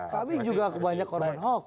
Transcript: kami juga banyak korban hoax